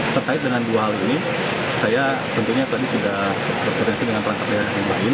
terkait dengan dua hal ini saya tentunya tadi sudah berkoordinasi dengan perangkat daerah yang lain